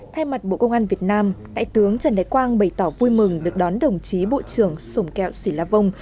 thay mặt bộ công an việt nam đại tướng trần đại quang bày tỏ vui mừng được đón đồng chí bộ trưởng sùng kẹo sĩ la vông